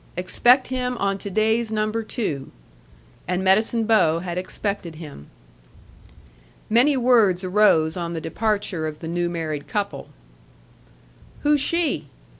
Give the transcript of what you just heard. Expect him on to day's number two." And Medicine Bow had expected him. Many words arose on the departure of the new married couple. "Who's she?"